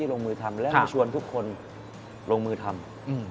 และชวนทุกคนลงมือทำ